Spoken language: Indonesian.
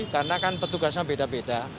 karena kan petugasnya beda beda